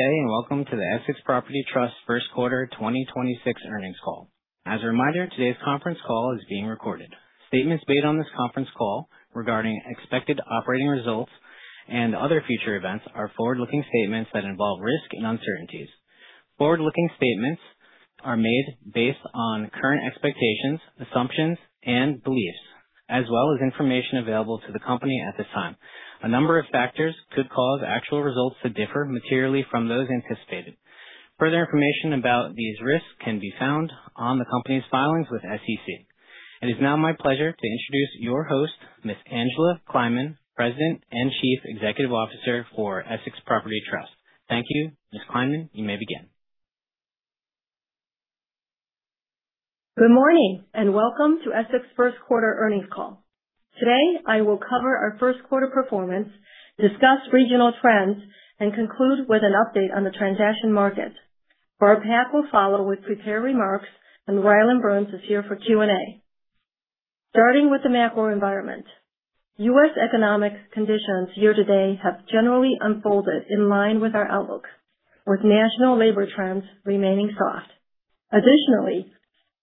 Welcome to the Essex Property Trust first quarter 2026 earnings call. As a reminder, today's conference call is being recorded. Statements made on this conference call regarding expected operating results and other future events are forward-looking statements that involve risk and uncertainties. Forward-looking statements are made based on current expectations, assumptions and beliefs, as well as information available to the company at this time. A number of factors could cause actual results to differ materially from those anticipated. Further information about these risks can be found on the company's filings with SEC. It is now my pleasure to introduce your host, Ms. Angela Kleiman, President and Chief Executive Officer for Essex Property Trust. Thank you. Ms. Kleiman, you may begin. Good morning and welcome to Essex first quarter earnings call. Today, I will cover our first quarter performance, discuss regional trends and conclude with an update on the transaction market. Barb Pak will follow with prepared remarks and Rylan Burns is here for Q&A. Starting with the macro environment. U.S. economic conditions year to date have generally unfolded in line with our outlook, with national labor trends remaining soft. Additionally,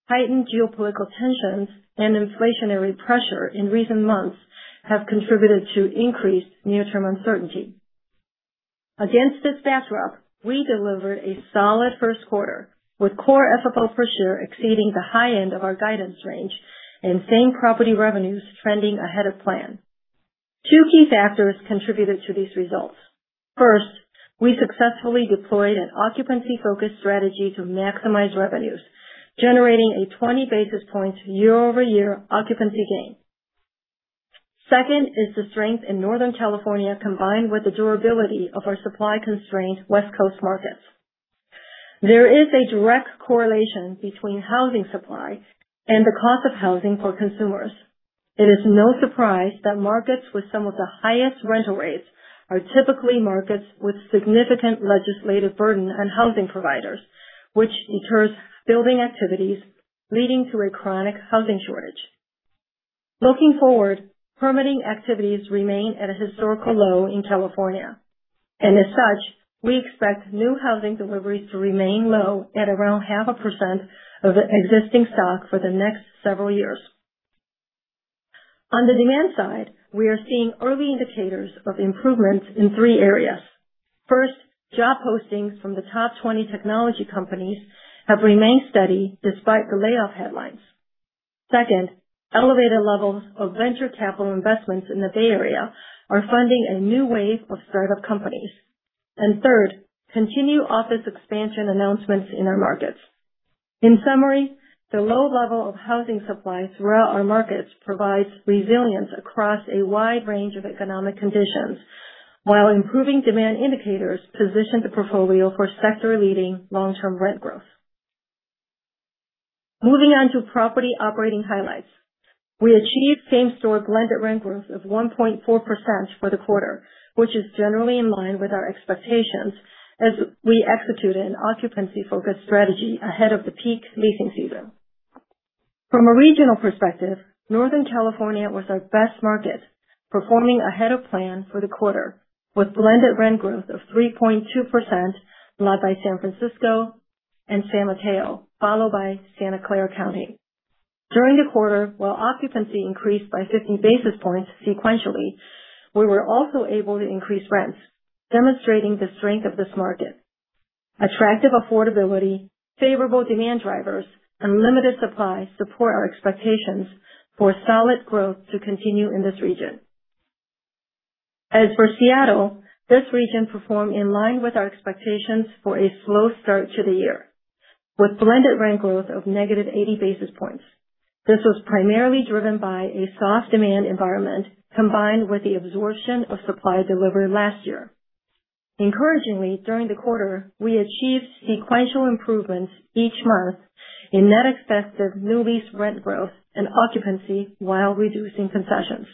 heightened geopolitical tensions and inflationary pressure in recent months have contributed to increased near-term uncertainty. Against this backdrop, we delivered a solid first quarter, with Core FFO per share exceeding the high end of our guidance range and same-property revenues trending ahead of plan. Two key factors contributed to these results. First, we successfully deployed an occupancy-focused strategy to maximize revenues, generating a 20 basis points year-over-year occupancy gain. Second is the strength in Northern California, combined with the durability of our supply-constrained West Coast markets. There is a direct correlation between housing supply and the cost of housing for consumers. It is no surprise that markets with some of the highest rental rates are typically markets with significant legislative burden on housing providers, which deters building activities leading to a chronic housing shortage. Looking forward, permitting activities remain at a historical low in California. As such, we expect new housing deliveries to remain low at around 0.5% of the existing stock for the next several years. On the demand side, we are seeing early indicators of improvements in three areas. First, job postings from the top 20 technology companies have remained steady despite the layoff headlines. Second, elevated levels of venture capital investments in the Bay Area are funding a new wave of start-up companies. Third, continued office expansion announcements in our markets. In summary, the low level of housing supply throughout our markets provides resilience across a wide range of economic conditions, while improving demand indicators position the portfolio for sector-leading long-term rent growth. Moving on to property operating highlights. We achieved same-store blended rent growth of 1.4% for the quarter, which is generally in line with our expectations as we executed an occupancy-focused strategy ahead of the peak leasing season. From a regional perspective, Northern California was our best market, performing ahead of plan for the quarter with blended rent growth of 3.2%, led by San Francisco and San Mateo, followed by Santa Clara County. During the quarter, while occupancy increased by 50 basis points sequentially, we were also able to increase rents, demonstrating the strength of this market. Attractive affordability, favorable demand drivers and limited supply support our expectations for solid growth to continue in this region. As for Seattle, this region performed in line with our expectations for a slow start to the year, with blended rent growth of negative 80 basis points. This was primarily driven by a soft demand environment combined with the absorption of supply delivered last year. Encouragingly, during the quarter, we achieved sequential improvements each month in net effective new lease rent growth and occupancy while reducing concessions.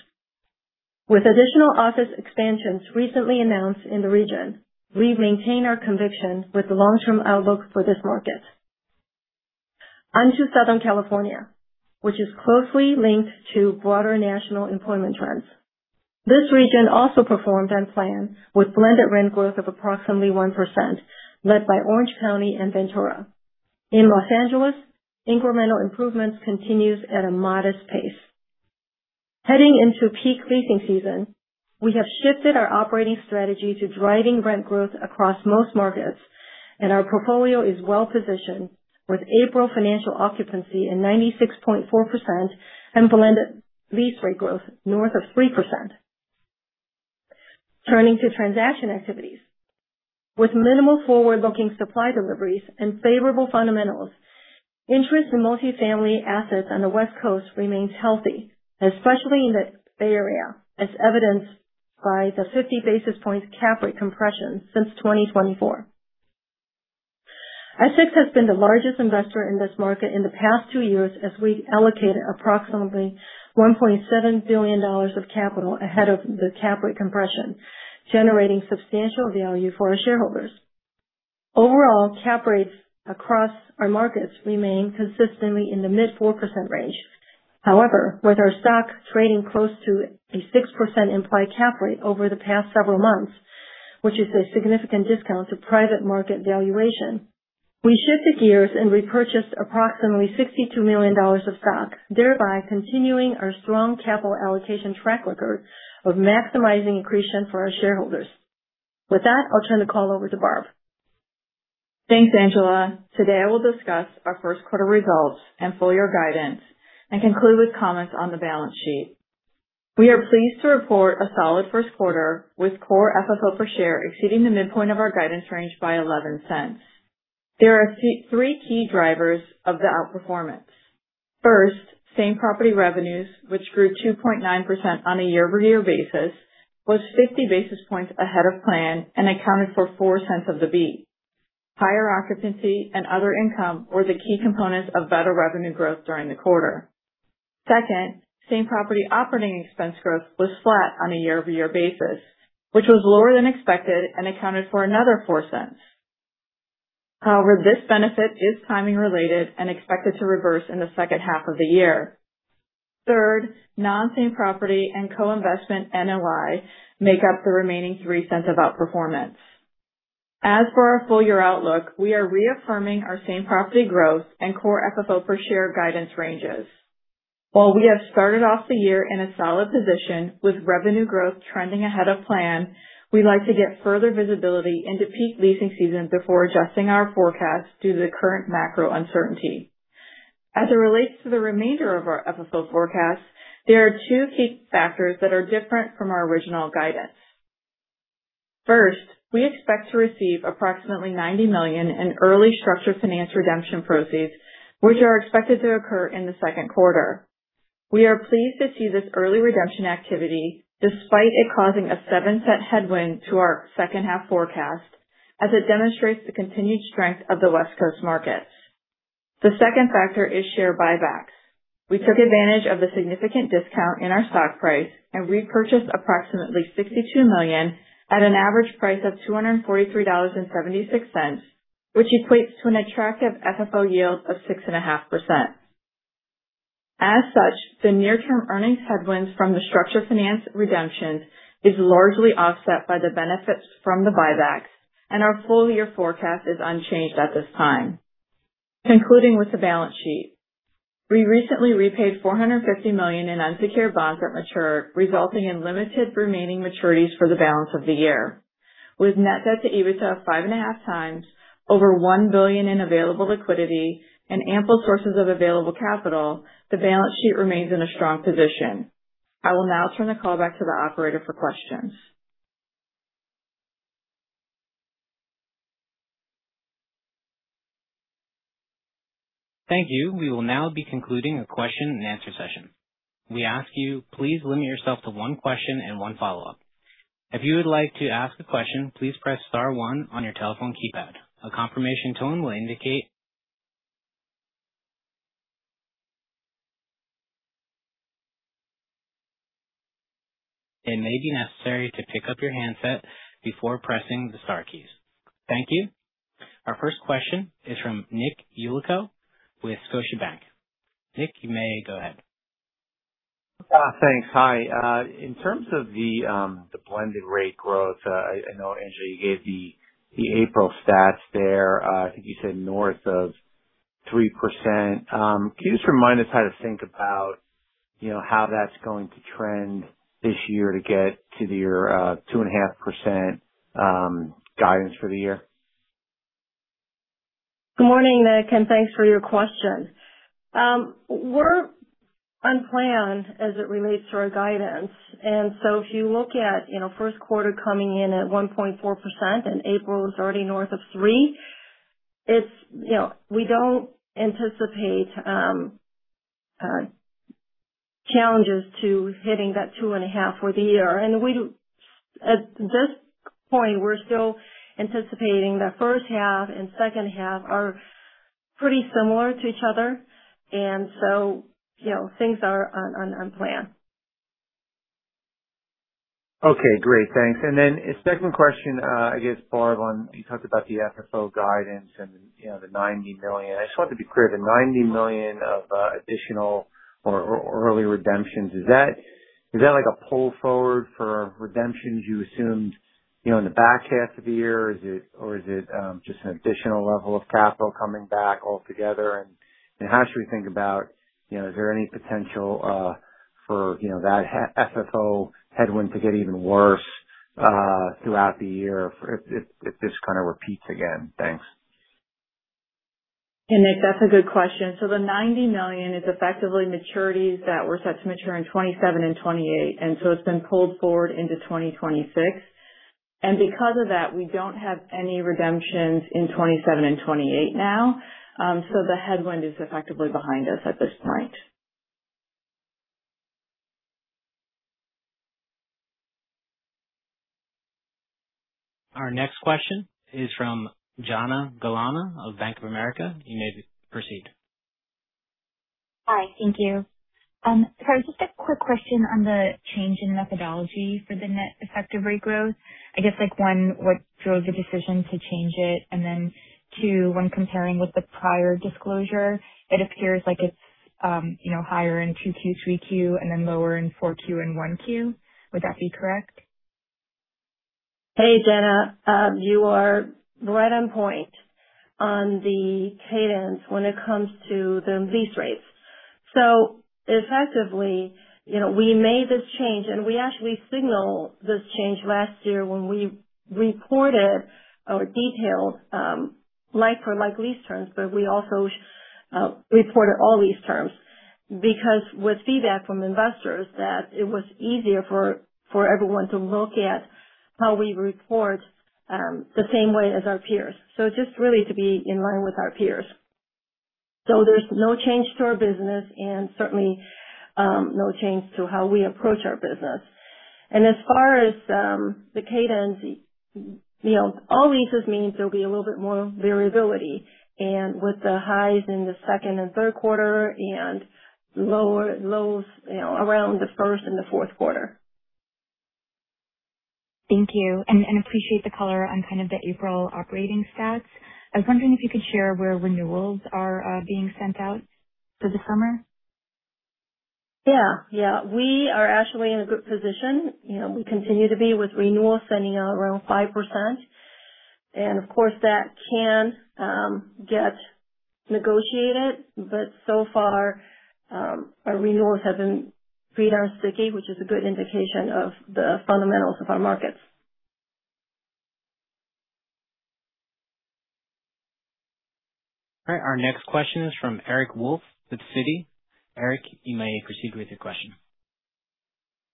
With additional office expansions recently announced in the region, we maintain our conviction with the long-term outlook for this market. On to Southern California, which is closely linked to broader national employment trends. This region also performed on plan with blended rent growth of approximately 1% led by Orange County and Ventura. In Los Angeles, incremental improvements continues at a modest pace. Heading into peak leasing season, we have shifted our operating strategy to driving rent growth across most markets, and our portfolio is well positioned with April financial occupancy in 96.4% and blended lease rate growth north of 3%. Turning to transaction activities. With minimal forward-looking supply deliveries and favorable fundamentals, interest in multifamily assets on the West Coast remains healthy, especially in the Bay Area, as evidenced by the 50 basis points cap rate compression since 2024. Essex has been the largest investor in this market in the past two years as we allocated approximately $1.7 billion of capital ahead of the cap rate compression, generating substantial value for our shareholders. Overall, cap rates across our markets remain consistently in the mid-4% range. However, with our stock trading close to a 6% implied cap rate over the past several months, which is a significant discount to private market valuation, we shifted gears and repurchased approximately $62 million of stock, thereby continuing our strong capital allocation track record of maximizing accretion for our shareholders. With that, I'll turn the call over to Barb. Thanks, Angela. Today, I will discuss our first quarter results and full year guidance and conclude with comments on the balance sheet. We are pleased to report a solid first quarter with Core FFO per share exceeding the midpoint of our guidance range by $0.11. There are three key drivers of the outperformance. First, same-property revenues, which grew 2.9% on a year-over-year basis, was 50 basis points ahead of plan and accounted for $0.04 of the beat. Higher occupancy and other income were the key components of better revenue growth during the quarter. Second, same-property operating expense growth was flat on a year-over-year basis, which was lower than expected and accounted for another $0.04. However, this benefit is timing related and expected to reverse in the second half of the year. Non-same property and co-investment NOI make up the remaining $0.03 of outperformance. For our full year outlook, we are reaffirming our same-property growth and Core FFO per share guidance ranges. We have started off the year in a solid position with revenue growth trending ahead of plan, we'd like to get further visibility into peak leasing season before adjusting our forecast due to the current macro uncertainty. It relates to the remainder of our FFO forecast, there are two key factors that are different from our original guidance. We expect to receive approximately $90 million in early structured finance redemption proceeds, which are expected to occur in the second quarter. We are pleased to see this early redemption activity despite it causing a $0.07 headwind to our second half forecast as it demonstrates the continued strength of the West Coast markets. The second factor is share buybacks. We took advantage of the significant discount in our stock price and repurchased approximately $62 million at an average price of $243.76, which equates to an attractive FFO yield of 6.5%. The near term earnings headwinds from the structured finance redemption is largely offset by the benefits from the buybacks, and our full year forecast is unchanged at this time. Concluding with the balance sheet. We recently repaid $450 million in unsecured bonds that matured, resulting in limited remaining maturities for the balance of the year. With net debt to EBITDA of 5.5 times over $1 billion in available liquidity and ample sources of available capital, the balance sheet remains in a strong position. I will now turn the call back to the operator for questions. Thank you. Our first question is from Nick Yulico with Scotiabank. Nick, you may go ahead. Thanks. Hi. In terms of the blended rent growth, I know, Angela, you gave the April stats there. I think you said north of 3%. Can you just remind us how to think about, you know, how that's going to trend this year to get to your 2.5% guidance for the year? Good morning, Nick, and thanks for your question. We're on plan as it relates to our guidance. If you look at, you know, first quarter coming in at 1.4% and April is already north of 3%, it's, you know, we don't anticipate challenges to hitting that 2.5% for the year. At this point, we're still anticipating the first half and second half are pretty similar to each other, you know, things are on plan. Okay, great. Thanks. A second question, I guess, Barb, you talked about the FFO guidance and, you know, the $90 million. I just wanted to be clear the $90 million of additional or early redemptions, is that like a pull forward for redemptions you assumed, you know, in the back half of the year? Or is it just an additional level of capital coming back altogether? How should we think about, you know, is there any potential for, you know, that FFO headwind to get even worse throughout the year if this kind of repeats again? Thanks. Hey, Nick, that's a good question. The $90 million is effectively maturities that were set to mature in 2027 and 2028, so it's been pulled forward into 2026. Because of that, we don't have any redemptions in 2027 and 2028 now. The headwind is effectively behind us at this point. Our next question is from Jana Galan of Bank of America. You may proceed. Hi. Thank you. Sorry, just a quick question on the change in methodology for the net effective rate growth. I guess, like, 1, what drove the decision to change it? 2, when comparing with the prior disclosure, it appears like it's, you know, higher in 2Q, 3Q, and then lower in 4Q and 1Q. Would that be correct? Hey, Jana. You are right on point on the cadence when it comes to the lease rates. Effectively, you know, we made this change, and we actually signaled this change last year when we reported or detailed like for like lease terms. We also reported all lease terms because with feedback from investors that it was easier for everyone to look at how we report the same way as our peers. Just really to be in line with our peers. There's no change to our business and certainly no change to how we approach our business. As far as the cadence, you know, all leases means there'll be a little bit more variability and with the highs in the second and third quarter and lower lows, you know, around the first and the fourth quarter. Thank you. Appreciate the color on kind of the April operating stats. I was wondering if you could share where renewals are being sent out for the summer. Yeah. Yeah. We are actually in a good position. You know, we continue to be with renewals sending out around 5%. Of course, that can get negotiated. So far, our renewals have been pretty darn sticky, which is a good indication of the fundamentals of our markets. All right. Our next question is from Eric Wolfe with Citi. Eric, you may proceed with your question.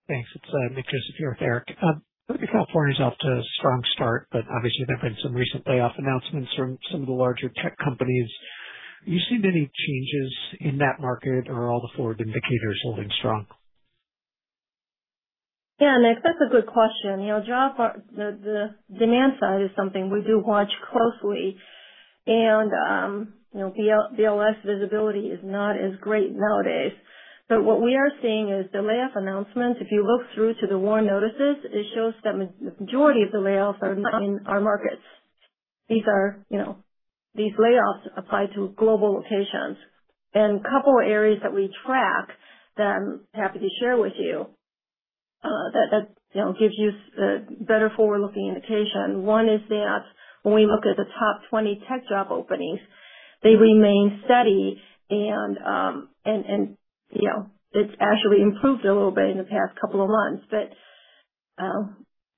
Thanks. It's Nick, just here with Eric. Looking at California's off to a strong start, but obviously there have been some recent layoff announcements from some of the larger tech companies. Are you seeing any changes in that market or are all the forward indicators holding strong? Yeah, Nick, that's a good question. You know, the demand side is something we do watch closely. You know, BLS visibility is not as great nowadays. What we are seeing is the layoff announcements. If you look through to the WARN notices, it shows that majority of the layoffs are not in our markets. These are, you know, these layoffs apply to global locations. A couple of areas that we track that I'm happy to share with you, that, you know, gives you better forward-looking indication. One is that when we look at the top 20 tech job openings, they remain steady. It's actually improved a little bit in the past couple of months, but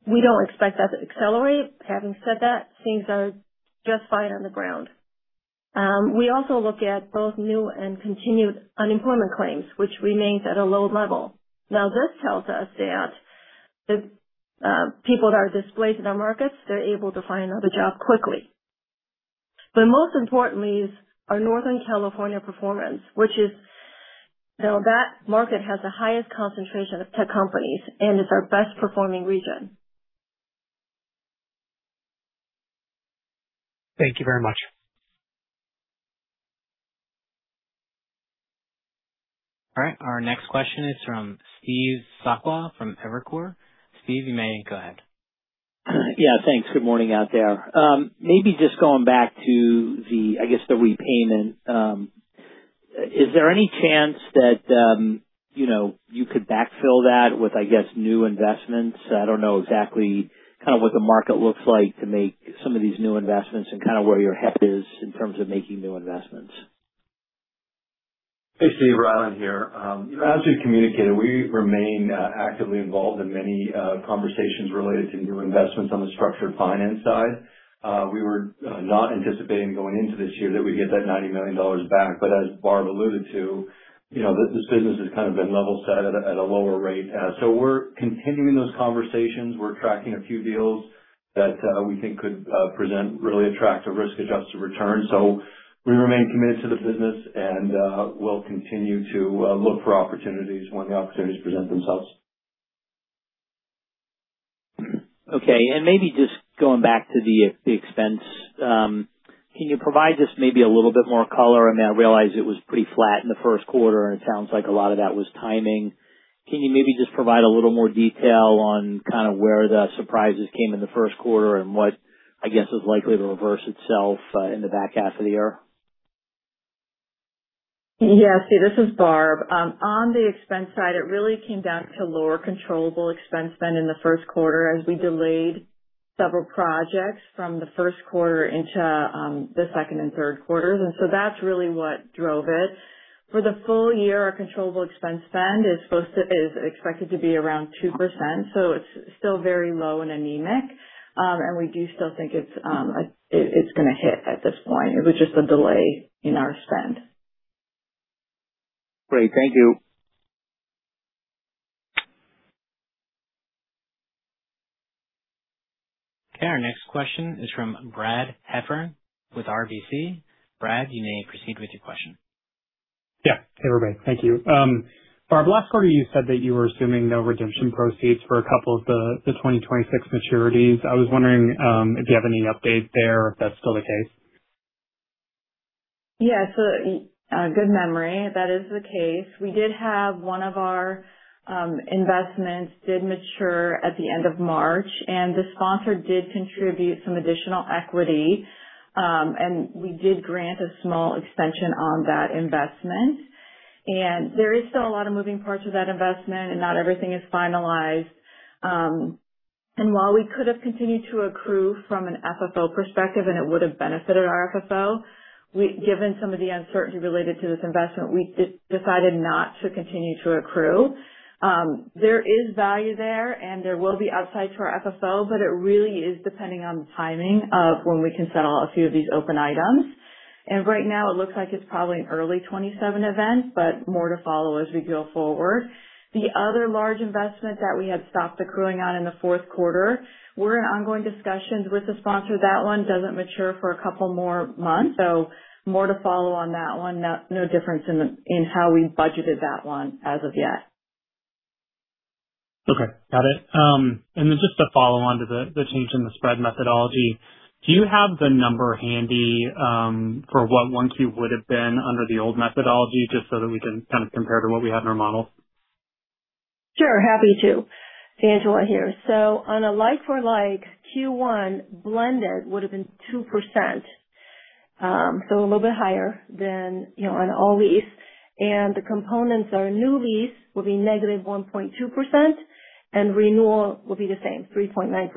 we don't expect that to accelerate. Having said that, things are just fine on the ground. We also look at both new and continued unemployment claims, which remains at a low level. This tells us that if people are displaced in our markets, they're able to find another job quickly. Most importantly is our Northern California performance. That market has the highest concentration of tech companies and is our best performing region. Thank you very much. All right. Our next question is from Steve Sakwa from Evercore. Steve, you may go ahead. Yeah, thanks. Good morning out there. Maybe just going back to the, I guess, the repayment. Is there any chance that, you know, you could backfill that with, I guess, new investments? I don't know exactly kind of what the market looks like to make some of these new investments and kind of where your head is in terms of making new investments. Hey, Steve, Rylan here. As we've communicated, we remain actively involved in many conversations related to new investments on the structured finance side. We were not anticipating going into this year that we'd get that $90 million back. As Barb alluded to, you know, this business has kind of been level set at a lower rate. We're continuing those conversations. We're tracking a few deals that we think could present really attractive risk-adjusted returns. We remain committed to the business, and we'll continue to look for opportunities when the opportunities present themselves. Okay. Maybe just going back to the expense, can you provide just maybe a little bit more color? I mean, I realize it was pretty flat in the first quarter, and it sounds like a lot of that was timing. Can you maybe just provide a little more detail on kind of where the surprises came in the first quarter and what I guess is likely to reverse itself in the back half of the year? Yeah. Steve, this is Barb. On the expense side, it really came down to lower controllable expense spend in the first quarter as we delayed several projects from the first quarter into the second and third quarters. That's really what drove it. For the full year, our controllable expense spend is expected to be around 2%, so it's still very low and anemic. We do still think it's gonna hit at this point. It was just a delay in our spend. Great. Thank you. Okay. Our next question is from Brad Heffern with RBC. Brad, you may proceed with your question. Yeah. Hey, everybody. Thank you. Barb, last quarter you said that you were assuming no redemption proceeds for a couple of the 2026 maturities. I was wondering if you have any update there or if that's still the case. Yeah. Good memory. That is the case. We did have one of our investments did mature at the end of March, and the sponsor did contribute some additional equity. We did grant a small extension on that investment. There is still a lot of moving parts to that investment, and not everything is finalized. While we could have continued to accrue from an FFO perspective, and it would have benefited our FFO, we given some of the uncertainty related to this investment, we decided not to continue to accrue. There is value there, and there will be upside to our FFO, but it really is depending on the timing of when we can settle a few of these open items. Right now it looks like it's probably an early 2027 event, but more to follow as we go forward. The other large investment that we had stopped accruing on in the fourth quarter, we're in ongoing discussions with the sponsor. That one doesn't mature for a couple more months, so more to follow on that one. No, no difference in how we budgeted that one as of yet. Okay, got it. Just to follow on to the change in the spread methodology, do you have the number handy for what 1 Q would have been under the old methodology, just so that we can kind of compare to what we have in our model? Sure. Happy to. Angela here. On a like-for-like Q1 blended would have been 2%, so a little bit higher than, you know, on all lease. The components are new lease will be negative 1.2% and renewal will be the same, 3.9%.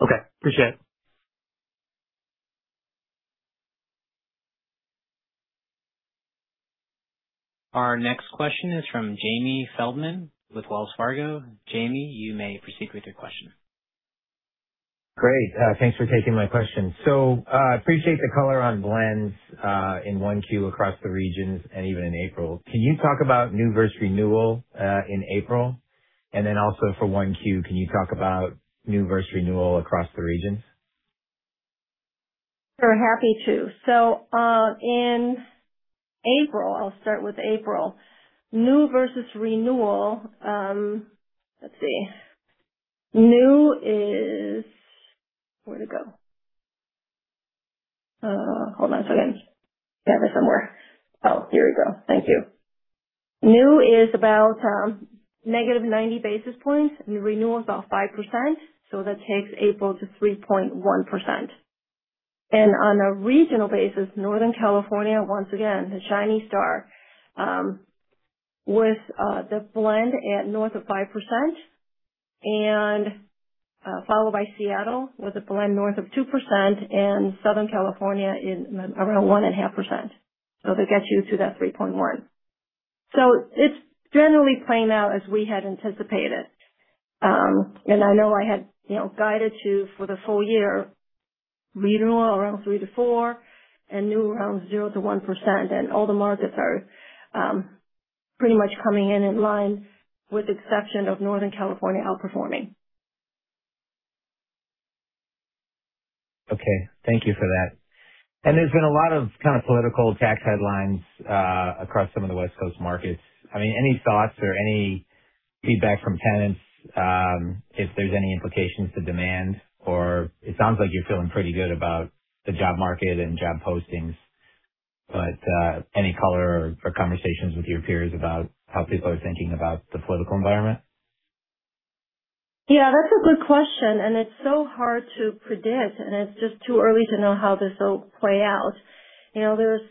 Okay. Appreciate it. Our next question is from Jamie Feldman with Wells Fargo. Jamie, you may proceed with your question. Great. Thanks for taking my question. Appreciate the color on blends in 1Q across the regions and even in April. Can you talk about new versus renewal in April? Then also for 1Q, can you talk about new versus renewal across the regions? Sure. Happy to. In April. I'll start with April. New versus renewal. Let's see. New is. Where'd it go? Hold on a second. I have it somewhere. Here we go. Thank you. New is about negative 90 basis points, and renewal is about 5%. That takes April to 3.1%. On a regional basis, Northern California, once again the shiny star, with the blend at north of 5% and followed by Seattle with a blend north of 2% and Southern California in around 1.5%. That gets you to that 3.1. It's generally playing out as we had anticipated. I know I had, you know, guided to for the full year renewal around 3%-4% and new around 0%-1%. All the markets are, pretty much coming in in line with exception of Northern California outperforming. Okay. Thank you for that. There's been a lot of kind of political tax headlines across some of the West Coast markets. I mean, any thoughts or any feedback from tenants, if there's any implications to demand or it sounds like you're feeling pretty good about the job market and job postings, but any color or conversations with your peers about how people are thinking about the political environment? Yeah, that's a good question. It's so hard to predict, and it's just too early to know how this will play out. You know, there's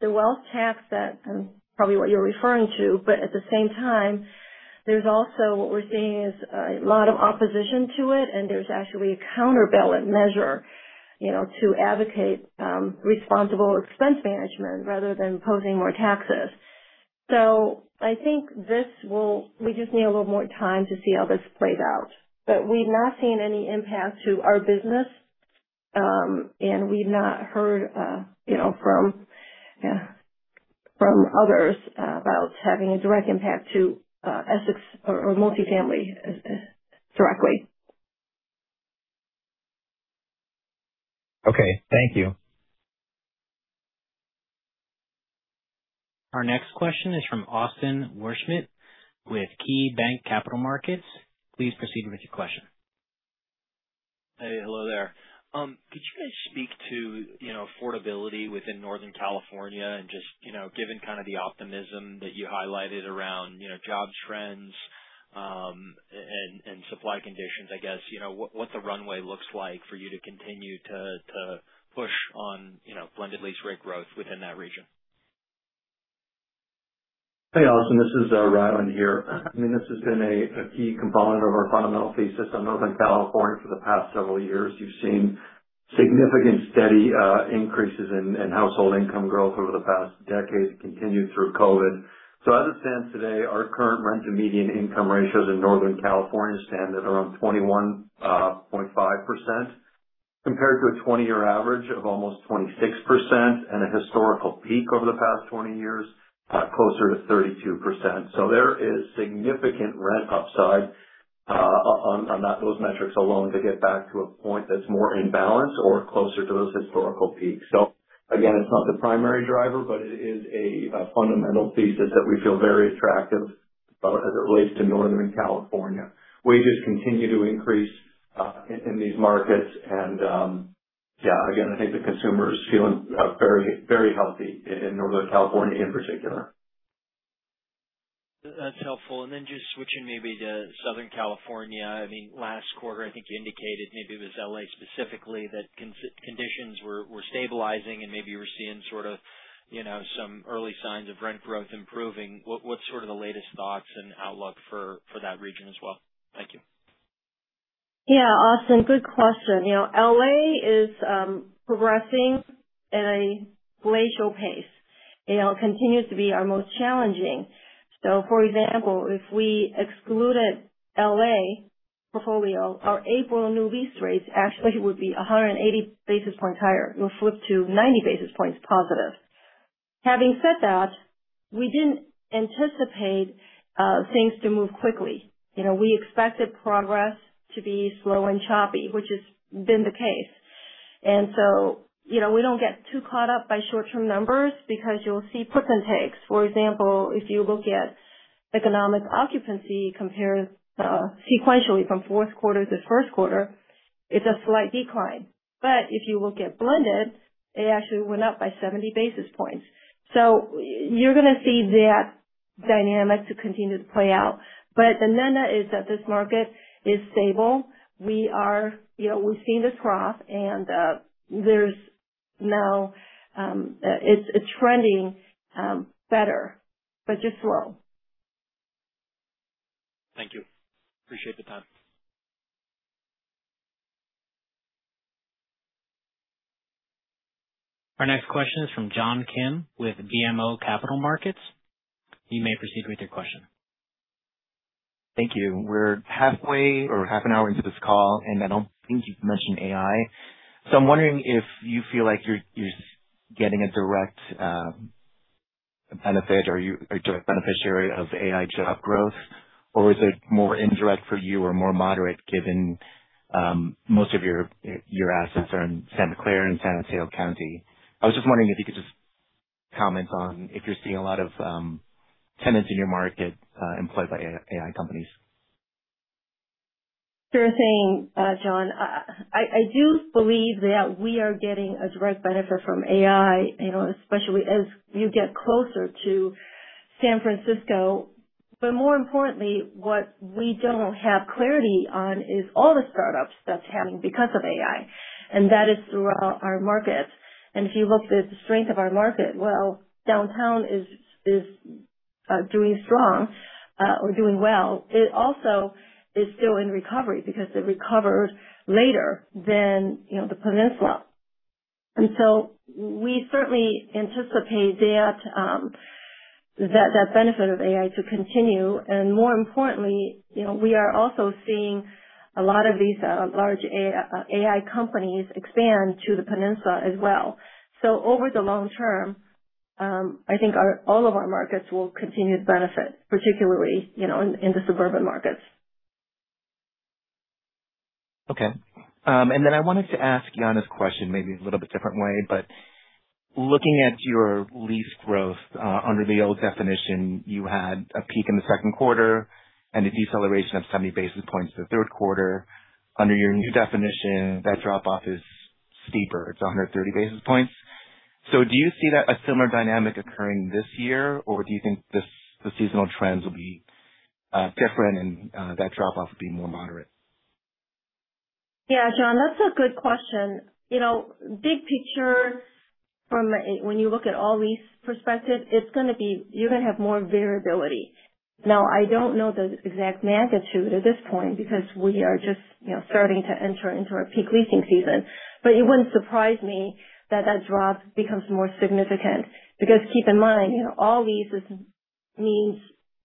the wealth tax that is probably what you're referring to, but at the same time, there's also what we're seeing is a lot of opposition to it. There's actually a counter ballot measure, you know, to advocate responsible expense management rather than imposing more taxes. I think we just need a little more time to see how this plays out. We've not seen any impact to our business. We've not heard, you know, from others about having a direct impact to Essex or multifamily as directly. Okay. Thank you. Our next question is from Austin Wurschmidt with KeyBanc Capital Markets. Please proceed with your question. Hey. Hello there. Could you guys speak to, you know, affordability within Northern California and just, you know, given kind of the optimism that you highlighted around, you know, job trends, and supply conditions, I guess, you know, what the runway looks like for you to continue to push on, you know, blended lease rate growth within that region? Austin, this is Rylan here. This has been a key component of our fundamental thesis on Northern California for the past several years. You've seen significant steady increases in household income growth over the past decade continued through COVID. As it stands today, our current rent-to-median-income ratios in Northern California stand at around 21.5% compared to a 20-year average of almost 26% and a historical peak over the past 20 years closer to 32%. There is significant rent upside on that, those metrics alone to get back to a point that's more in balance or closer to those historical peaks. Again, it's not the primary driver, but it is a fundamental thesis that we feel very attractive as it relates to Northern California. Wages continue to increase in these markets. Yeah, again, I think the consumer is feeling very, very healthy in Northern California in particular. That's helpful. Just switching maybe to Southern California. I mean, last quarter, I think you indicated maybe it was L.A. specifically, that conditions were stabilizing and maybe you were seeing sort of, you know, some early signs of rent growth improving. What's sort of the latest thoughts and outlook for that region as well? Thank you. Yeah, Austin, good question. You know, L.A. is progressing at a glacial pace. You know, it continues to be our most challenging. For example, if we excluded L.A. portfolio, our April new lease rates actually would be 180 basis points higher. It will flip to 90 basis points positive. Having said that, we didn't anticipate things to move quickly. You know, we expected progress to be slow and choppy, which has been the case. You know, we don't get too caught up by short-term numbers because you'll see puts and takes. For example, if you look at economic occupancy compared sequentially from fourth quarter to first quarter, it's a slight decline. If you look at blended, it actually went up by 70 basis points. You're gonna see that dynamic to continue to play out. The net-net is that this market is stable. You know, we've seen this trough and there's now it's trending better, but just slow. Thank you. Appreciate the time. Our next question is from John Kim with BMO Capital Markets. You may proceed with your question. Thank you. We're halfway or half an hour into this call. I don't think you've mentioned AI. I'm wondering if you feel like you're getting a direct benefit or a direct beneficiary of AI job growth, or is it more indirect for you or more moderate given most of your assets are in Santa Clara and San Mateo County. I was just wondering if you could just comment on if you're seeing a lot of tenants in your market employed by AI companies. Sure thing, John. I do believe that we are getting a direct benefit from AI, you know, especially as you get closer to San Francisco. What we don't have clarity on is all the startups that's happening because of AI, and that is throughout our markets. If you look at the strength of our market, well, downtown is doing strong or doing well. It also is still in recovery because it recovered later than, you know, the Peninsula. We certainly anticipate that benefit of AI to continue. More importantly, you know, we are also seeing a lot of these large AI companies expand to the Peninsula as well. Over the long term, I think all of our markets will continue to benefit, particularly, you know, in the suburban markets. Okay. I wanted to ask Jana's question maybe a little bit different way, looking at your lease growth, under the old definition, you had a peak in the second quarter and a deceleration of 70 basis points in the third quarter. Under your new definition, that drop-off is steeper. It's 130 basis points. Do you see that a similar dynamic occurring this year, or do you think the seasonal trends will be different and that drop-off will be more moderate? Yeah, John, that's a good question. You know, big picture from when you look at all lease perspective, you're gonna have more variability. Now, I don't know the exact magnitude at this point because we are just, you know, starting to enter into our peak leasing season. It wouldn't surprise me that that drop becomes more significant. Keep in mind, you know, all leases means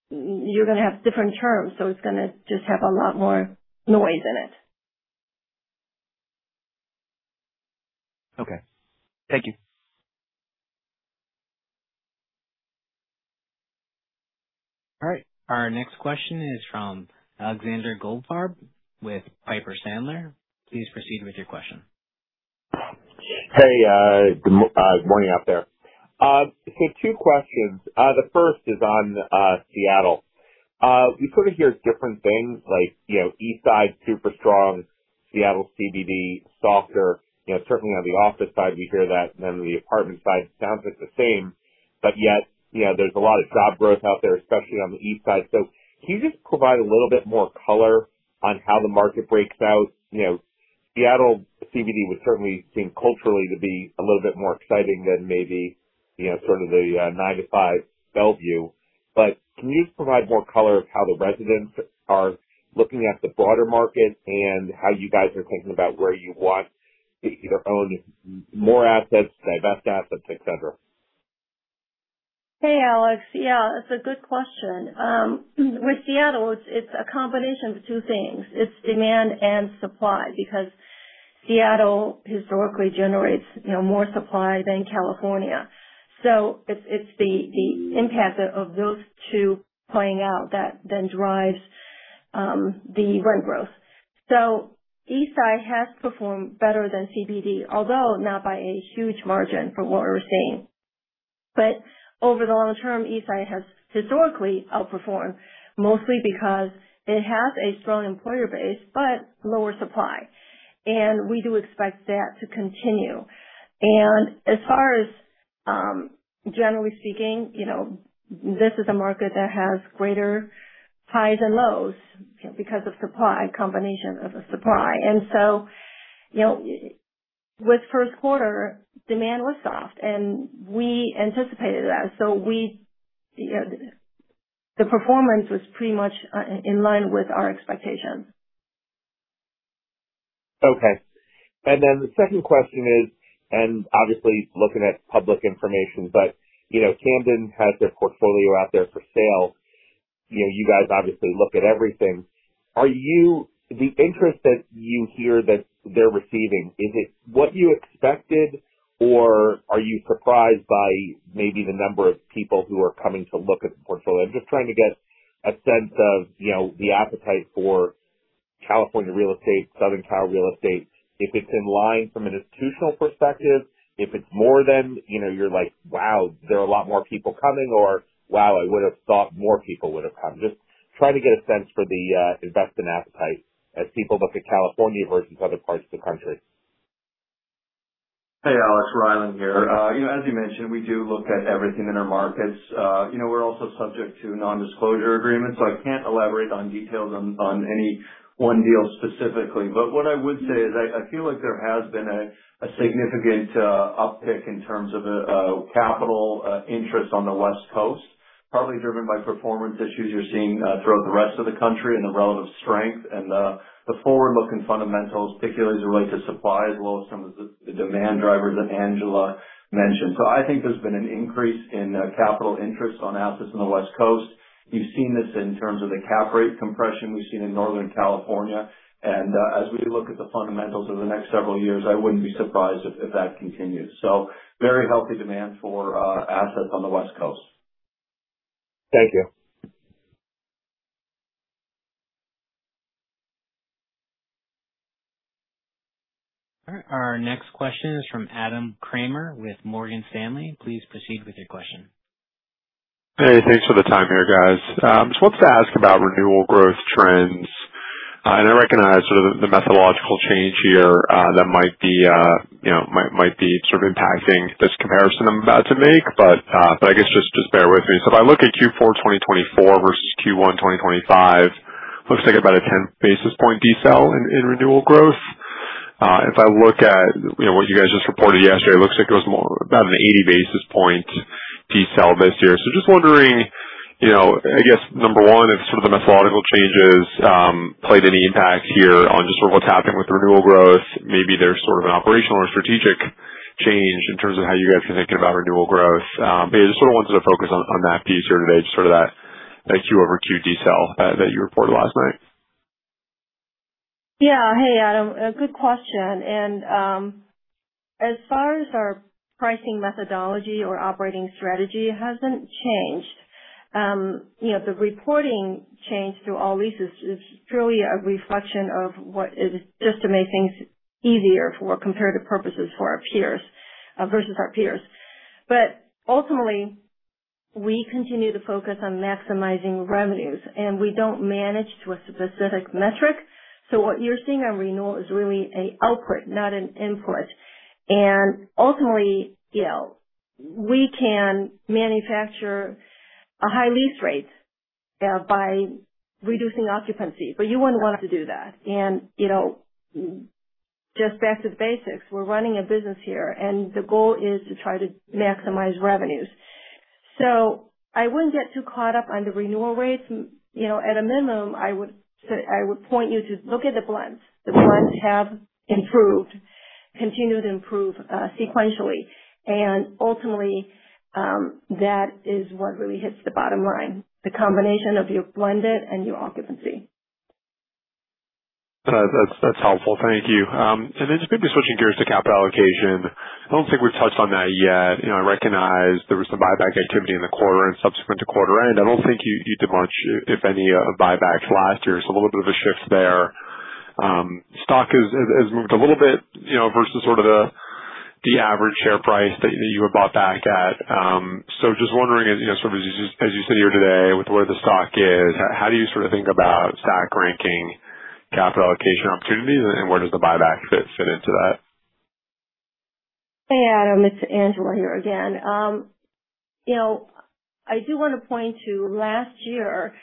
you're gonna have different terms, so it's gonna just have a lot more noise in it. Okay. Thank you. All right. Our next question is from Alexander Goldfarb with Piper Sandler. Please proceed with your question. Hey, good morning out there. 2 questions. The first is on Seattle. We sort of hear different things like, you know, East Side super strong, Seattle CBD softer. You know, certainly on the office side we hear that, and then the apartment side sounds like the same. Yet, you know, there's a lot of job growth out there, especially on the East Side. Can you just provide a little bit more color on how the market breaks out? You know, Seattle CBD would certainly seem culturally to be a little bit more exciting than maybe, you know, sort of the nine-to-five Bellevue. Can you just provide more color of how the residents are looking at the broader market and how you guys are thinking about where you want to either own more assets, divest assets, et cetera? Hey, Alex. Yes, it's a good question. With Seattle, it's a combination of two things. It's demand and supply, because Seattle historically generates, you know, more supply than California. It's the impact of those two playing out that then drives the rent growth. East Side has performed better than CBD, although not by a huge margin from what we're seeing. Over the long term, East Side has historically outperformed, mostly because it has a strong employer base but lower supply. We do expect that to continue. Generally speaking, you know, this is a market that has greater highs and lows because of supply, combination of the supply. You know, with first quarter, demand was soft and we anticipated that. We, you know, the performance was pretty much in line with our expectations. Okay. The second question is, obviously looking at public information, but, you know, Camden has their portfolio out there for sale. You know, you guys obviously look at everything. The interest that you hear that they're receiving, is it what you expected or are you surprised by maybe the number of people who are coming to look at the portfolio? I'm just trying to get a sense of, you know, the appetite for California real estate, Southern Cal real estate, if it's in line from an institutional perspective, if it's more than, you know, you're like, wow, there are a lot more people coming or wow, I would have thought more people would have come. Just try to get a sense for the investment appetite as people look at California versus other parts of the country. Hey, Alex, Rylan here. You know, as you mentioned, we do look at everything in our markets. You know, we're also subject to nondisclosure agreements, so I can't elaborate on details on any one deal specifically. What I would say is I feel like there has been a significant uptick in terms of capital interest on the West Coast, partly driven by performance issues you're seeing throughout the rest of the country and the relative strength and the forward-looking fundamentals, particularly as it relates to supply, as well as some of the demand drivers that Angela mentioned. I think there's been an increase in capital interest on assets in the West Coast. You've seen this in terms of the cap rate compression we've seen in Northern California. As we look at the fundamentals over the next several years, I wouldn't be surprised if that continues. Very healthy demand for assets on the West Coast. Thank you. All right. Our next question is from Adam Kramer with Morgan Stanley. Please proceed with your question. Hey, thanks for the time here, guys. Just wanted to ask about renewal growth trends. I recognize sort of the methodological change here that might be, you know, might be sort of impacting this comparison I'm about to make. I guess just bear with me. If I look at Q4 2024 versus Q1 2025, looks like about a 10 basis point decel in renewal growth. If I look at, you know, what you guys just reported yesterday, it looks like it was more about an 80 basis point decel this year. Just wondering, you know, I guess number one, if some of the methodological changes played any impact here on just sort of what's happening with renewal growth. Maybe there's sort of an operational or strategic change in terms of how you guys are thinking about renewal growth. Yeah, just sort of wanted to focus on that piece here today, just sort of that quarter-over-quarter decel that you reported last night. Yeah. Hey, Adam, a good question. As far as our pricing methodology or operating strategy hasn't changed. You know, the reporting change to all leases is purely a reflection of what is just to make things easier for comparative purposes versus our peers. Ultimately, we continue to focus on maximizing revenues, and we don't manage to a specific metric. What you're seeing on renewal is really a output, not an input. Ultimately, you know, we can manufacture a high lease rate by reducing occupancy, but you wouldn't want us to do that. You know, just back to the basics, we're running a business here, and the goal is to try to maximize revenues. I wouldn't get too caught up on the renewal rates. You know, at a minimum, I would point you to look at the blends. The blends have improved, continued to improve, sequentially. Ultimately, that is what really hits the bottom line, the combination of your blended and your occupancy. That's helpful. Thank you. Just maybe switching gears to capital allocation. I don't think we've touched on that yet. You know, I recognize there was some buyback activity in the quarter and subsequent to quarter end. I don't think you did much, if any, buybacks last year, so a little bit of a shift there. Stock has moved a little bit, you know, versus sort of the average share price that you had bought back at. Just wondering, as, you know, sort of as you sit here today with where the stock is, how do you sort of think about stock ranking capital allocation opportunities and where does the buyback fit into that? Hey, Adam, it's Angela here again. You know, I do wanna point to last year,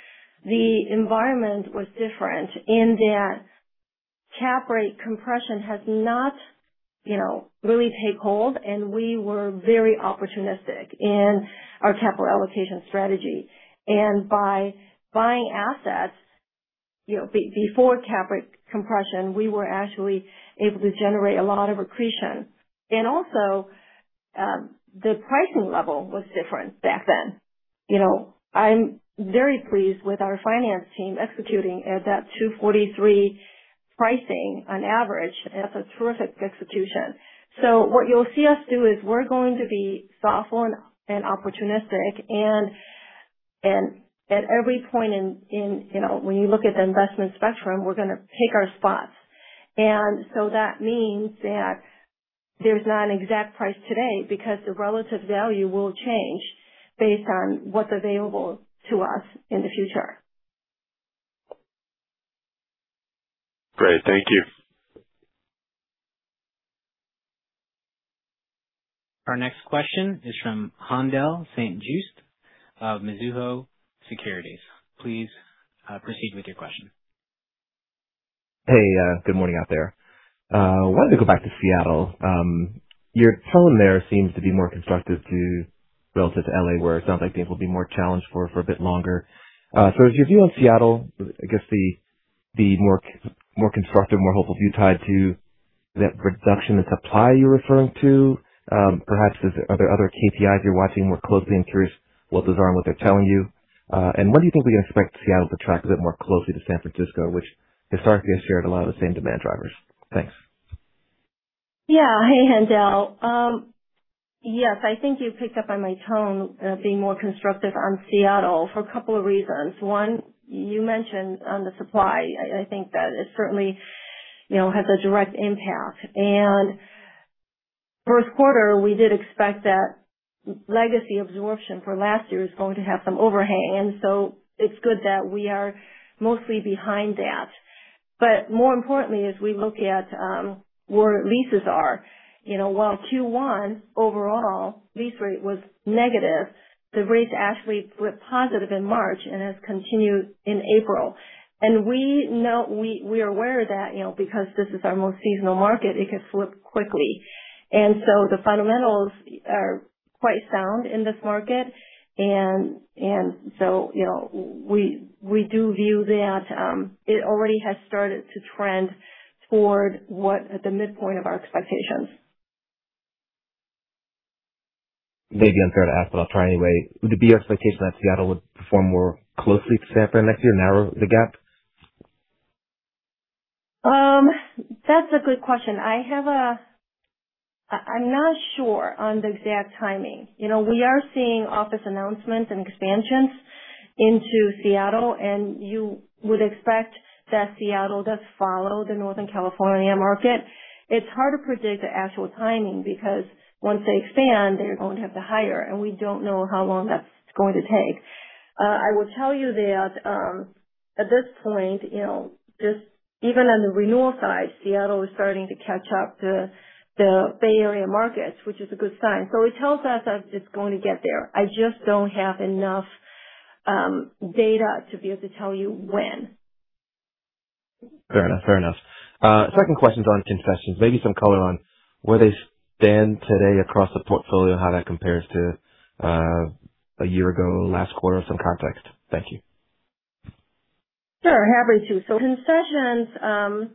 the environment was different in that cap rate compression has not, you know, really take hold, and we were very opportunistic in our capital allocation strategy. By buying assets, you know, before cap rate compression, we were actually able to generate a lot of accretion. Also, the pricing level was different back then. You know, I'm very pleased with our finance team executing at that 243 pricing on average. That's a terrific execution. What you'll see us do is we're going to be thoughtful and opportunistic and at every point in, you know, when you look at the investment spectrum, we're gonna pick our spots. That means that there's not an exact price today because the relative value will change based on what's available to us in the future. Great. Thank you. Our next question is from Handal St. Juste of Mizuho Securities. Please proceed with your question. Hey, good morning out there. Wanted to go back to Seattle. Your tone there seems to be more constructive to relative to L.A., where it sounds like things will be more challenged for a bit longer. Is your view on Seattle, I guess the more constructive, more hopeful view tied to that reduction in supply you're referring to? Perhaps is, are there other KPIs you're watching more closely? I'm curious what those are and what they're telling you. When do you think we can expect Seattle to track a bit more closely to San Francisco, which historically has shared a lot of the same demand drivers? Thanks. Yeah. Hey, Handal. Yes, I think you picked up on my tone being more constructive on Seattle for a couple of reasons. One, you mentioned on the supply. I think that it certainly, you know, has a direct impact. First quarter, we did expect that legacy absorption for last year is going to have some overhang. It's good that we are mostly behind that. More importantly, as we look at where leases are. You know, while Q1 overall lease rate was negative, the rates actually flipped positive in March and has continued in April. We are aware that, you know, because this is our most seasonal market, it can flip quickly. The fundamentals are quite sound in this market. You know, we do view that, it already has started to trend toward what the midpoint of our expectations. May be unfair to ask, but I'll try anyway. Would it be your expectation that Seattle would perform more closely to San Fran next year, narrow the gap? That's a good question. I'm not sure on the exact timing. You know, we are seeing office announcements and expansions into Seattle. You would expect that Seattle does follow the Northern California market. It's hard to predict the actual timing because once they expand, they're going to have to hire, and we don't know how long that's going to take. I will tell you that, at this point, you know, just even on the renewal side, Seattle is starting to catch up to the Bay Area markets, which is a good sign. It tells us that it's going to get there. I just don't have enough data to be able to tell you when. Fair enough. Fair enough. My second question is on concessions. Maybe some color on where they stand today across the portfolio, how that compares to a year ago, last quarter, some context. Thank you. Sure. Happy to. Concessions,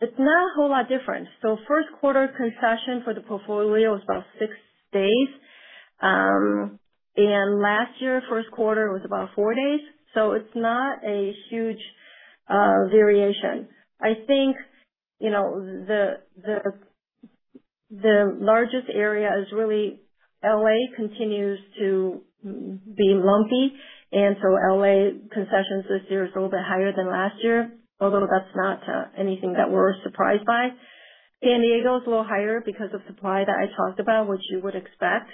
it's not a whole lot different. First quarter concession for the portfolio was about 6 days. Last year, first quarter was about 4 days. It's not a huge variation. I think, you know, the largest area is really L.A. continues to be lumpy. L.A. concessions this year is a little bit higher than last year, although that's not anything that we're surprised by. San Diego is a little higher because of supply that I talked about, which you would expect.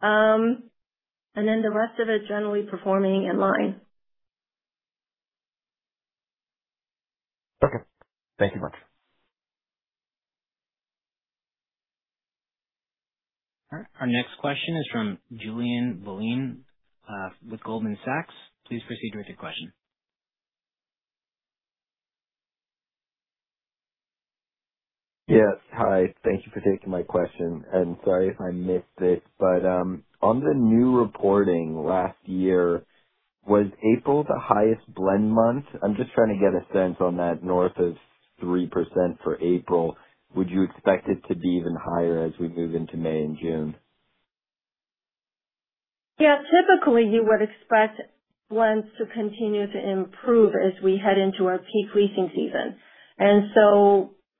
The rest of it generally performing in line. Okay. Thank you much. All right. Our next question is from Julian Leline, with Goldman Sachs. Please proceed with your question. Yes. Hi. Thank you for taking my question. Sorry if I missed it, but on the new reporting last year, was April the highest blended month? I'm just trying to get a sense on that north of 3% for April. Would you expect it to be even higher as we move into May and June? Yeah. Typically, you would expect blends to continue to improve as we head into our peak leasing season.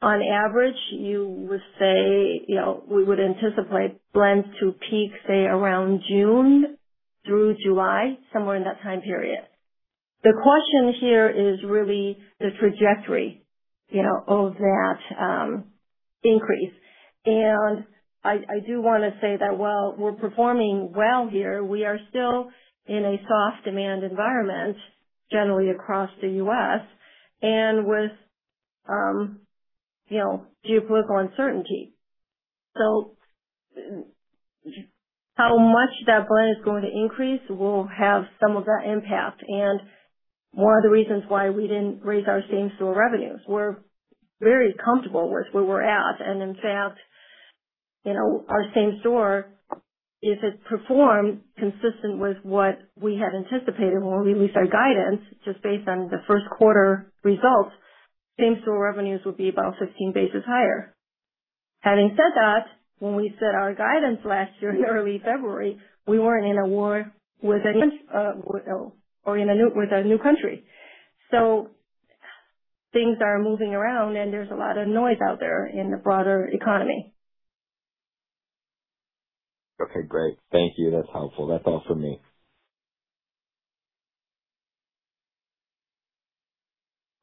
On average, you would say, you know, we would anticipate blends to peak, say, around June through July, somewhere in that time period. The question here is really the trajectory, you know, of that increase. I do wanna say that while we're performing well here, we are still in a soft demand environment generally across the U.S. and with, you know, geopolitical uncertainty. How much that blend is going to increase will have some of that impact. One of the reasons why we didn't raise our same-property revenues, we're very comfortable with where we're at. In fact, you know, our same-property, if it performed consistent with what we had anticipated when we released our guidance, just based on the first quarter results, same-property revenues would be about 15 basis higher. Having said that, when we set our guidance last year in early February, we weren't in a war with any or with a new country. Things are moving around and there's a lot of noise out there in the broader economy. Okay, great. Thank you. That's helpful. That's all for me.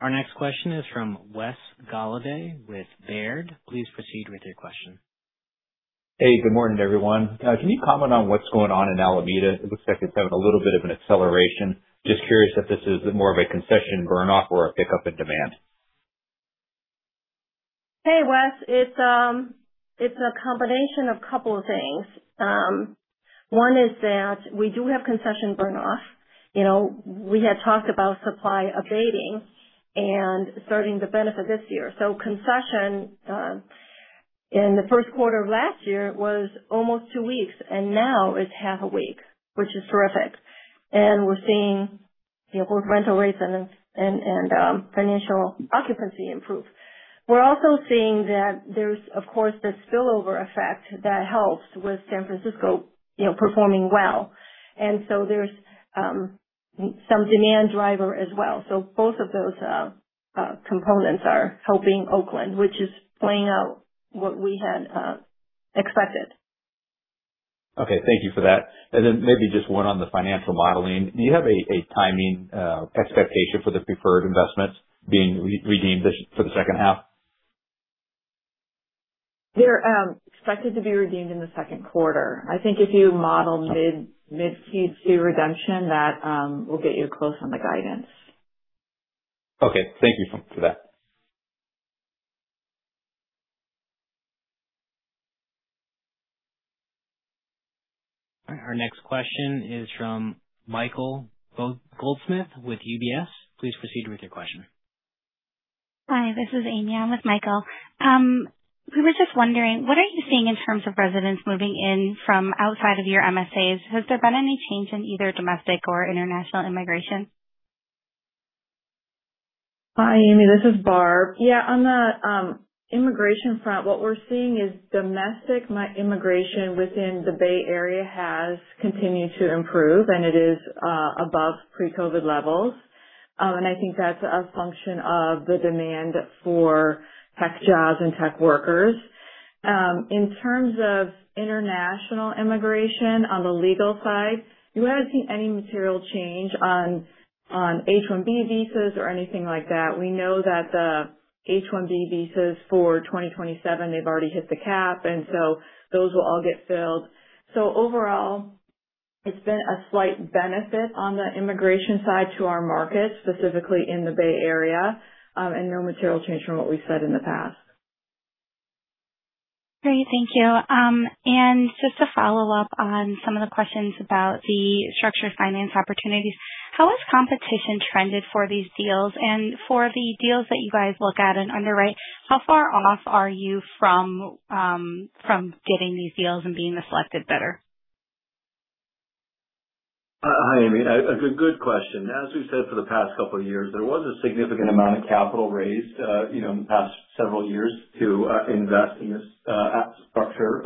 Our next question is from Wes Golladay with Baird. Please proceed with your question. Good morning, everyone. Can you comment on what's going on in Alameda? It looks like it's having a little bit of an acceleration. Just curious if this is more of a concession burn-off or a pickup in demand? Hey, Wes. It's a combination of couple of things. One is that we do have concession burn-off. You know, we had talked about supply abating and starting to benefit this year. Concession in the first quarter of last year was almost 2 weeks, and now it's half a week, which is terrific. We're seeing, you know, both rental rates and financial occupancy improve. We're also seeing that there's, of course, the spillover effect that helps with San Francisco, you know, performing well. There's some demand driver as well. Both of those components are helping Oakland, which is playing out what we had expected. Okay. Thank you for that. Maybe just one on the financial modeling, do you have a timing expectation for the preferred investments being redeemed for the second half? They're expected to be redeemed in the second quarter. I think if you model mid-Q2 redemption, that will get you close on the guidance. Okay. Thank you for that. Our next question is from Michael Goldsmith with UBS. Please proceed with your question. Hi, this is Amy. I'm with Michael. We were just wondering, what are you seeing in terms of residents moving in from outside of your MSAs? Has there been any change in either domestic or international immigration? Hi, Amy, this is Barb. On the immigration front, what we're seeing is domestic immigration within the Bay Area has continued to improve, and it is above pre-COVID levels. I think that's a function of the demand for tech jobs and tech workers. In terms of international immigration on the legal side, we haven't seen any material change on H-1B visas or anything like that. We know that the H-1B visas for 2027, they've already hit the cap, those will all get filled. Overall, it's been a slight benefit on the immigration side to our market, specifically in the Bay Area, no material change from what we've said in the past. Great. Thank you. Just to follow up on some of the questions about the structured finance opportunities, how has competition trended for these deals? For the deals that you guys look at and underwrite, how far off are you from getting these deals and being the selected bidder? Hi, Amy. A good question. As we've said for the past couple of years, there was a significant amount of capital raised, you know, in the past several years to, invest in this, app structure.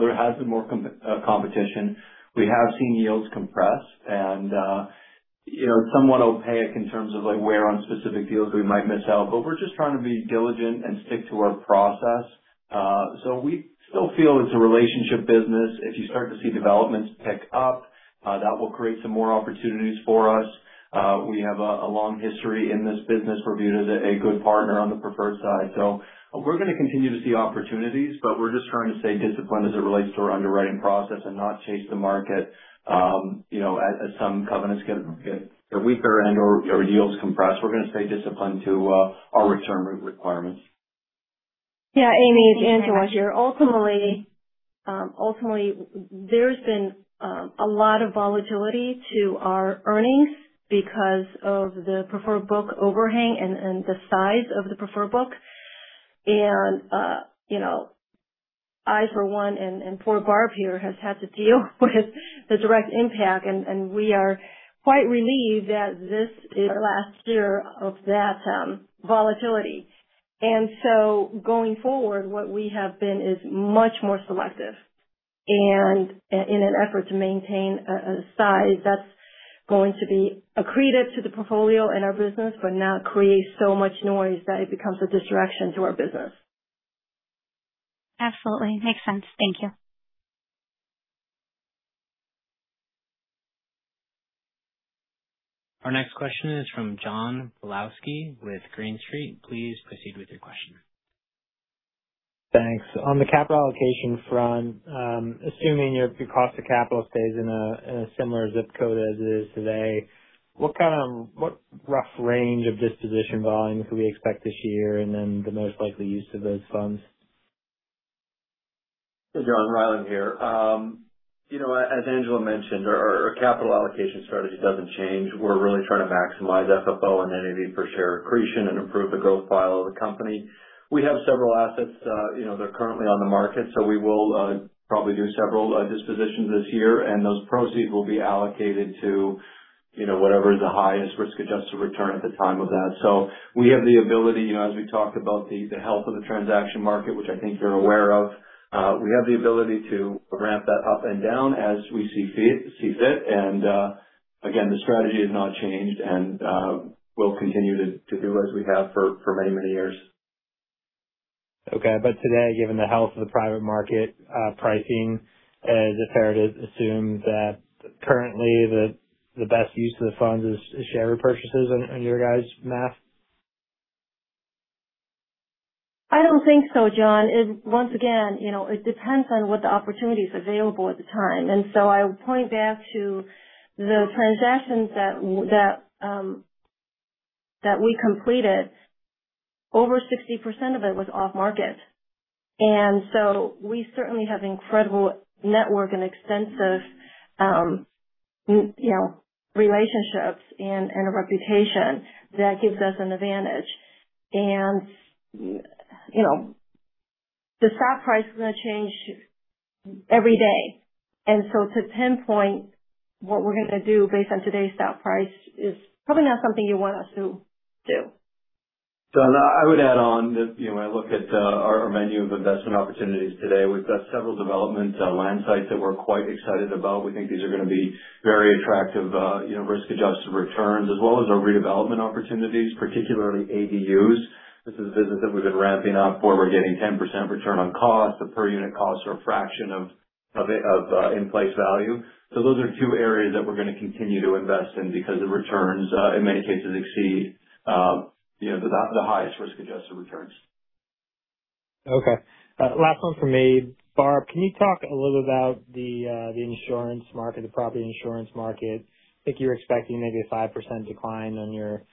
There has been more competition. We have seen yields compress and, you know, somewhat opaque in terms of, like, where on specific deals we might miss out. We're just trying to be diligent and stick to our process. We still feel it's a relationship business. If you start to see developments pick up, that will create some more opportunities for us. We have a long history in this business. We're viewed as a good partner on the preferred side. We're gonna continue to see opportunities, but we're just trying to stay disciplined as it relates to our underwriting process and not chase the market, you know, as some covenants get weaker and/or yields compress. We're gonna stay disciplined to our return re-requirements. Yeah. Amy, it's Angela here. Ultimately, there's been a lot of volatility to our earnings because of the preferred book overhang and the size of the preferred book. You know, I for one and poor Barb here has had to deal with the direct impact, and we are quite relieved that this is our last year of that volatility. Going forward, what we have been is much more selective in an effort to maintain a size that's going to be accretive to the portfolio and our business, but not create so much noise that it becomes a distraction to our business. Absolutely. Makes sense. Thank you. Our next question is from John Pawlowski with Green Street. Please proceed with your question. Thanks. On the capital allocation front, assuming your cost to capital stays in a, in a similar zip code as it is today, what rough range of disposition volume can we expect this year, and then the most likely use of those funds? Hey, John, Rylan here. You know, as Angela mentioned, our capital allocation strategy doesn't change. We're really trying to maximize FFO and NAV per share accretion and improve the growth profile of the company. We have several assets, you know, that are currently on the market. We will probably do several dispositions this year, and those proceeds will be allocated to, you know, whatever is the highest risk-adjusted return at the time of that. We have the ability, you know, as we talked about the health of the transaction market, which I think you're aware of, we have the ability to ramp that up and down as we see fit. Again, the strategy has not changed, and we'll continue to do as we have for many years. Okay. Today, given the health of the private market pricing, is it fair to assume that currently the best use of the funds is share repurchases in your guys' math? I don't think so, John. Once again, you know, it depends on what the opportunity is available at the time. I would point back to the transactions that we completed. Over 60% of it was off market. We certainly have incredible network and extensive, you know, relationships and a reputation that gives us an advantage. You know, the stock price is gonna change every day. To pinpoint what we're gonna do based on today's stock price is probably not something you want us to do. I would add on that, you know, I look at our menu of investment opportunities today. We've got several development land sites that we're quite excited about. We think these are gonna be very attractive, you know, risk-adjusted returns as well as our redevelopment opportunities, particularly ADUs. This is a business that we've been ramping up where we're getting 10% return on cost. The per unit costs are a fraction of in place value. Those are two areas that we're gonna continue to invest in because the returns in many cases exceed, you know, the highest risk-adjusted returns. Okay. Last one from me. Barb, can you talk a little bit about the insurance market, the property insurance market? I think you're expecting maybe a 5% decline on your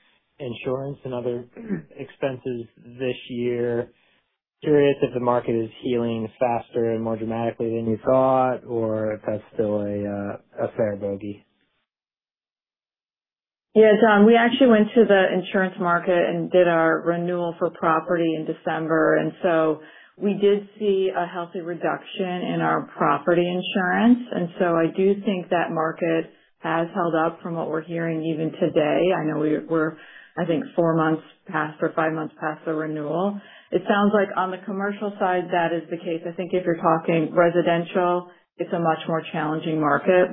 insurance and other expenses this year. Curious if the market is healing faster and more dramatically than you thought or if that's still a fair bogey. Yeah. John, we actually went to the insurance market and did our renewal for property in December. We did see a healthy reduction in our property insurance. I do think that market has held up from what we're hearing even today. I know we're, I think 4 months past or 5 months past the renewal. It sounds like on the commercial side, that is the case. I think if you're talking residential, it's a much more challenging market.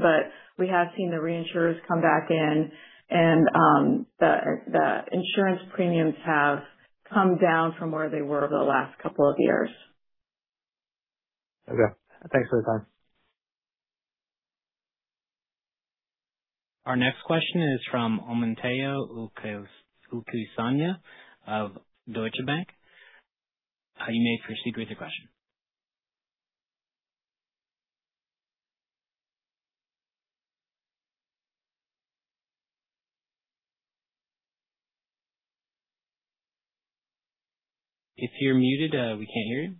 We have seen the reinsurers come back in and the insurance premiums have come down from where they were over the last 2 years. Okay. Thanks for your time. Our next question is from Omotayo Okusanya of Deutsche Bank. You may proceed with your question. If you're muted, we can't hear you.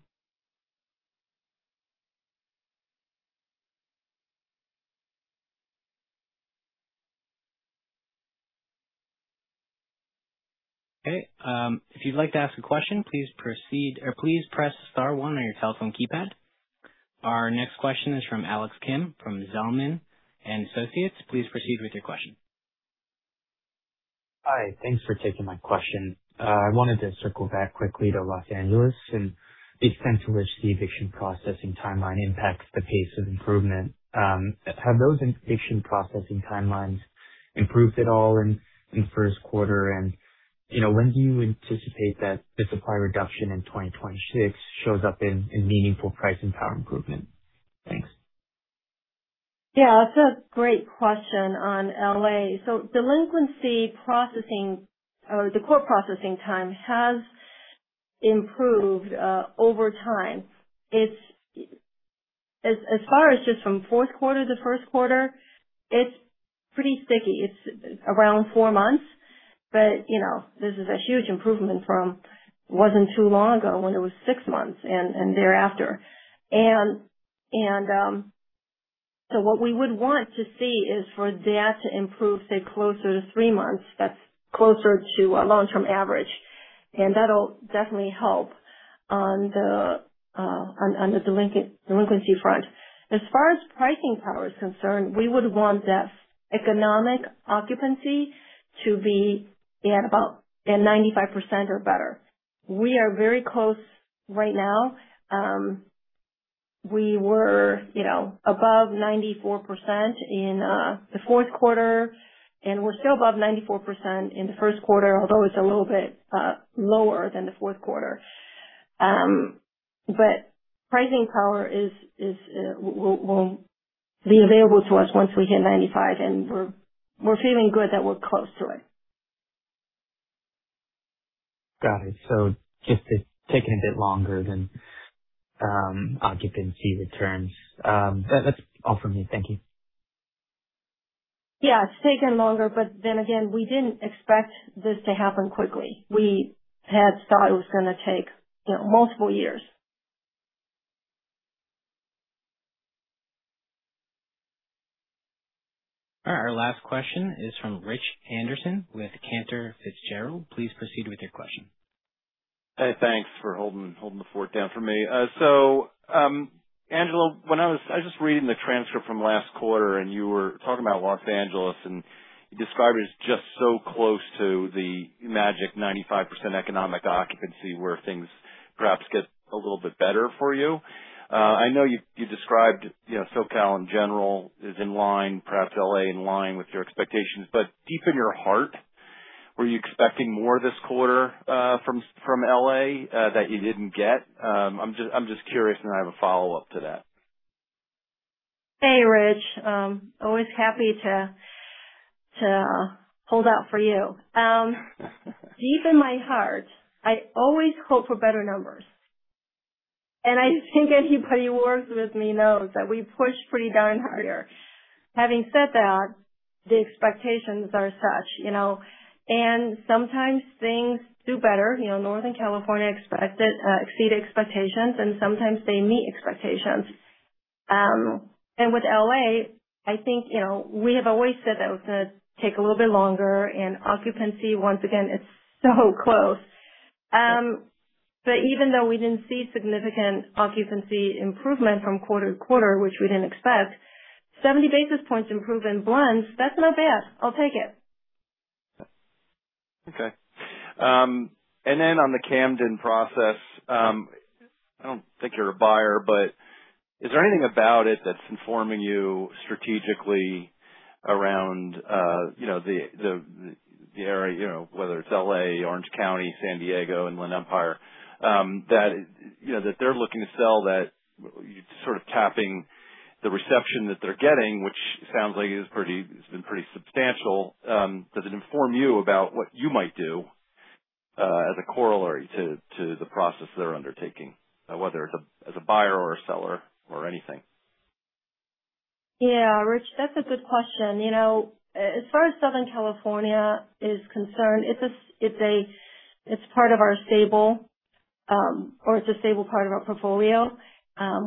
Okay. If you'd like to ask a question, please proceed. Our next question is from Alex Kim from Zelman & Associates. Please proceed with your question. Hi. Thanks for taking my question. I wanted to circle back quickly to Los Angeles and the extent to which the eviction processing timeline impacts the pace of improvement. Have those eviction processing timelines improved at all in first quarter? You know, when do you anticipate that the supply reduction in 2020 shows up in meaningful pricing power improvement? Thanks. Yeah. That's a great question on L.A. Delinquency processing or the core processing time has improved over time. As far as just from fourth quarter to first quarter, it's pretty sticky. It's around four months. You know, this is a huge improvement from wasn't too long ago when it was six months and thereafter. What we would want to see is for that to improve, say, closer to three months, that's closer to a long-term average. That'll definitely help on the delinquency front. As far as pricing power is concerned, we would want that economic occupancy to be at about 95% or better. We are very close right now. We were, you know, above 94% in the fourth quarter, and we're still above 94% in the first quarter, although it's a little bit lower than the fourth quarter. But pricing power will be available to us once we hit 95, and we're feeling good that we're close to it. Got it. Just it's taking a bit longer than, occupancy returns. That's all for me. Thank you. Yeah, it's taken longer, but then again, we didn't expect this to happen quickly. We had thought it was gonna take, you know, multiple years. All right. Our last question is from Rich Anderson with Cantor Fitzgerald. Please proceed with your question. Hey, thanks for holding the fort down for me. Angela, when I was just reading the transcript from last quarter, you were talking about Los Angeles, and you described it as just so close to the magic 95% economic occupancy where things perhaps get a little bit better for you. I know you described, you know, SoCal in general is in line, perhaps L.A. in line with your expectations. Deep in your heart, were you expecting more this quarter from L.A. that you didn't get? I'm just curious, I have a follow-up to that. Hey, Rich. Always happy to hold out for you. Deep in my heart, I always hope for better numbers. I think anybody who works with me knows that we push pretty darn harder. Having said that, the expectations are such, you know, and sometimes things do better. You know, Northern California exceeded expectations and sometimes they meet expectations. With L.A., I think, you know, we have always said that it was gonna take a little bit longer and occupancy once again is so close. But even though we didn't see significant occupancy improvement from quarter to quarter, which we didn't expect, 70 basis points improvement blends, that's not bad. I'll take it. Okay. On the Camden process, I don't think you're a buyer, but is there anything about it that's informing you strategically around, you know, the, the area, you know, whether it's L.A., Orange County, San Diego, Inland Empire, that, you know, that they're looking to sell that you're sort of tapping the reception that they're getting, which sounds like it's been pretty substantial. Does it inform you about what you might do, as a corollary to the process they're undertaking? Whether as a, as a buyer or a seller or anything? Yeah. Rich, that's a good question. You know, as far as Southern California is concerned, it's a stable part of our portfolio.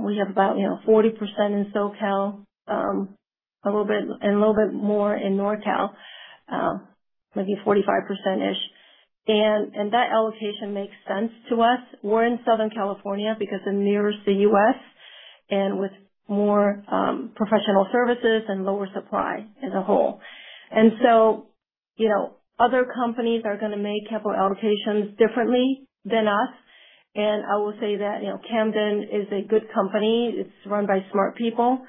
We have about, you know, 40% in SoCal, and a little bit more in NorCal, maybe 45%-ish. That allocation makes sense to us. We're in Southern California because it mirrors the U.S. and with more professional services and lower supply as a whole. You know, other companies are gonna make capital allocations differently than us. I will say that, you know, Camden is a good company. It's run by smart people.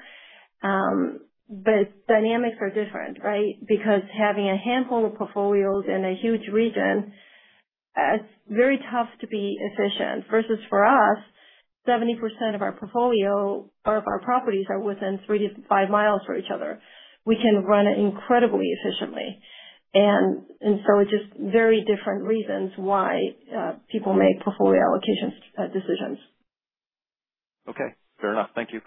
Dynamics are different, right? Because having a handful of portfolios in a huge region, it's very tough to be efficient. Versus for us, 70% of our portfolio, of our properties are within 3-5 miles for each other. We can run it incredibly efficiently. It's just very different reasons why people make portfolio allocation decisions. Okay. Fair enough. Thank you.